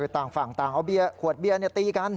ต่างเอาขวดเบี้ยตีกัน